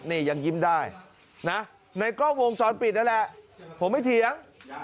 นี่ยังยิ้มได้นะในกล้องวงจรปิดนั่นแหละผมไม่เถียง